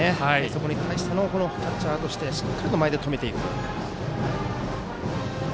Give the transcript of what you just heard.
そこに対してキャッチャーとしてしっかり前で止めていく。